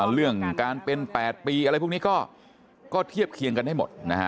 เรื่องการเป็น๘ปีอะไรพวกนี้ก็เทียบเคียงกันให้หมดนะฮะ